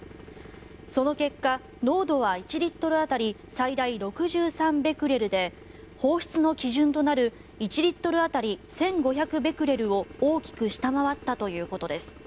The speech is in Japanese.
その結果、濃度は１リットル当たり最大６３ベクレルで放出の基準となる１リットル当たり１５００ベクレルを大きく下回ったということです。